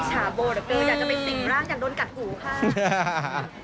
ฉาโบเหลือเกินอยากจะไปสิ่งร่างอยากโดนกัดหูค่ะ